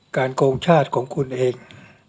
โกงชาติของคุณเอง